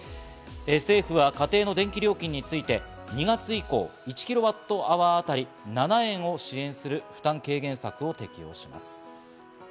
政府は家庭の電気料金について、２月以降、１キロワットアワーあたり７円を支援する負担軽減策を適用します。